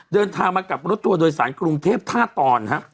เดินทางมากับรถทัวร์โดยสารกรุงเทพท่าตอนฮะ